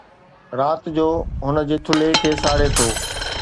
رات جو هن جي ٿلهي کي ساڙي ٿو